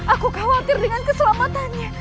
aku khawatir dengan keselamatannya